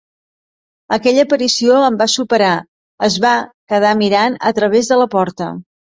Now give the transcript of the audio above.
Aquella aparició em va superar: es va quedar mirant a través de la porta.